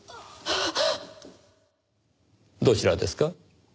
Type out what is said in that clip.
どちらですか？